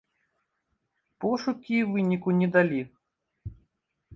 Пошукі выніку не далі.